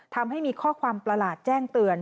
ทำให้มีข้อความประหลาดแจ้งเตือน